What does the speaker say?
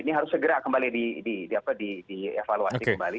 ini harus segera kembali dievaluasi kembali